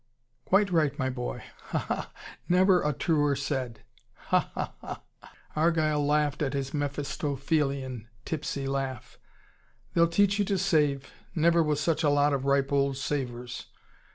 "Quite right, my boy. Ha! Ha! Never a truer thing said! Ha ha ha." Argyle laughed his Mephistophelian tipsy laugh. "They'll teach you to save. Never was such a lot of ripe old savers!